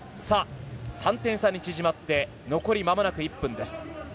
３点差に縮まって残りまもなく１分です。